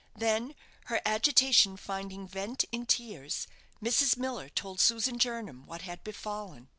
Then, her agitation finding vent in tears, Mrs. Miller told Susan Jernam what had befallen.